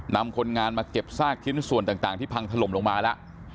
นำคนงานมาเก็บซากชิ้นส่วนต่างที่พังถล่มลงมาแล้ว